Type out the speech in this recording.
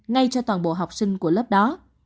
ngay cho toàn bộ học sinh của lớp đó